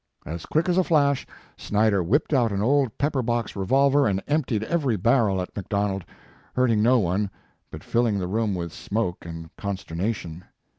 As quick as a flash Snyder whipped out an old pepper box revolver and emptied every barrel at McDonald, hurting no one, but filling the room with smoke and consternation.